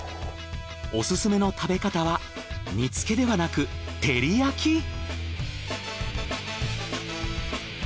オススメの食べ方は煮つけではなく照り焼き！？